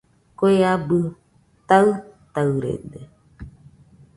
Kue abɨ taɨtaɨrede